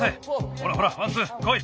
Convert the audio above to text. ほらほらワンツーこい。